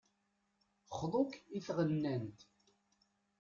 Xḍu-k i tɣennant.